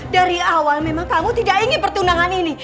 dari awal memang kamu tidak ingin pertunangan ini